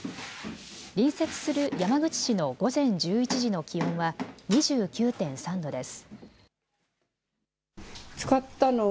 隣接する山口市の午前１１時の気温は２９．３度です。